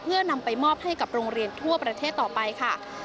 เพื่อนำไปมอบให้กับโรงเรียนทั่วประเทศต่อไปค่ะ